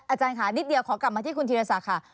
อาจารย์ค่ะนิดเดียวขอกลับมาที่คุณธีรศักดิ์ค่ะ